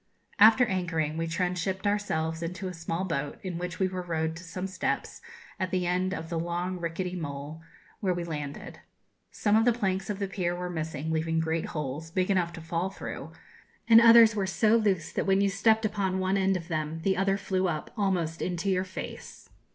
After anchoring, we transshipped ourselves into a small boat, in which we were rowed to some steps, at the end of the long rickety mole, where we landed. Some of the planks of the pier were missing, leaving great holes, big enough to fall through, and others were so loose that when you stepped upon one end of them the other flew up almost into your face.